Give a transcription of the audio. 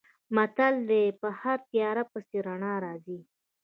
متل دی: په هره تیاره پسې رڼا راځي.